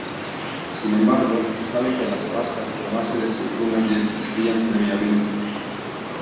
Sin embargo, se sabe que las pastas a base de aceitunas ya existían previamente.